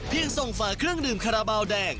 เพียงทรงฝาเครื่องดื่มคาราเบาแดง